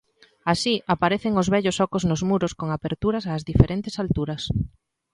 Así, aparecen os vellos ocos nos muros con aperturas ás diferentes alturas.